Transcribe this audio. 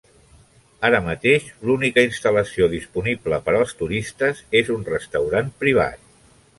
Ara mateix, l'única instal·lació disponible per als turistes és un restaurant privat.